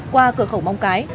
qua cửa khẩu bóng cái